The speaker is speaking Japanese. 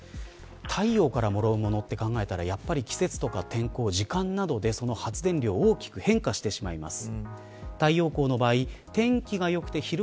太陽からもらうものと考えたらやっぱり季節や天候、時間などで発電量が大きく変化してしまいます。